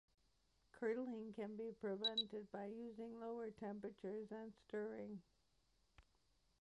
Curdling can be prevented by using lower temperatures and stirring.